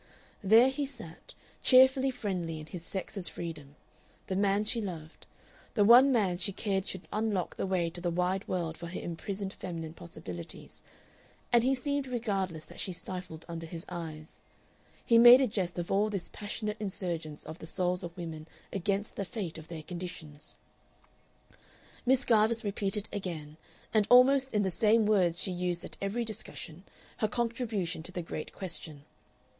There he sat, cheerfully friendly in his sex's freedom the man she loved, the one man she cared should unlock the way to the wide world for her imprisoned feminine possibilities, and he seemed regardless that she stifled under his eyes; he made a jest of all this passionate insurgence of the souls of women against the fate of their conditions. Miss Garvice repeated again, and almost in the same words she used at every discussion, her contribution to the great question.